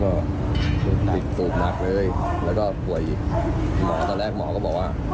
เขาก็ตุดปูบนะเลยแล้วก็ห่วงอีกตอนแรกหมอก็บอกว่า